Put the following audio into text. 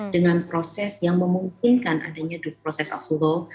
dengan proses yang memungkinkan adanya proses of whole